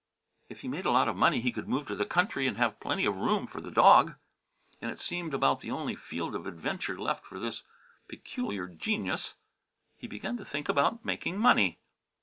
If he made a lot of money he could move to the country and have plenty of room for the dog. And it seemed about the only field of adventure left for this peculiar genius. He began to think about making money.